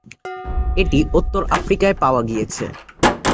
এটি উত্তর আফ্রিকায় পাওয়া গিয়েছে।